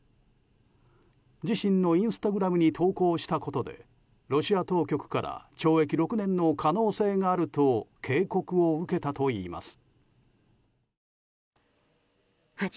自身のインスタグラムに投稿したことでロシア当局から懲役６年の可能性があると警告を受けたといいます。